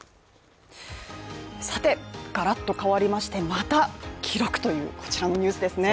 がらっと変わりまして、また記録というこちらのニュースですね。